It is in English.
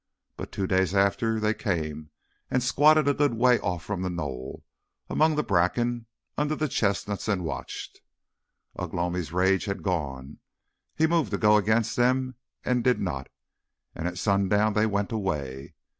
But two days after they came and squatted a good way off from the knoll among the bracken under the chestnuts and watched. Ugh lomi's rage had gone, he moved to go against them and did not, and at sundown they went away.